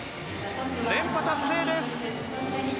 連覇達成です。